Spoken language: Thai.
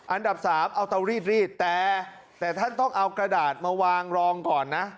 อันดับสามเอาเตารีดแต่ท่านต้องเอากระดาษมาวางรองก่อนนะ